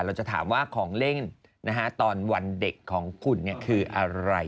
เราจะถามว่าของเล่นตอนวันเด็กของคุณคืออะไร